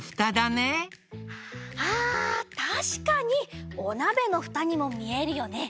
あたしかにおなべのふたにもみえるよね。